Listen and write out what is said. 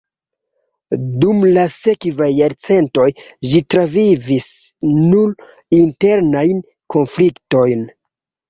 Dum la sekvaj jarcentoj ĝi travivis nur internajn konfliktojn.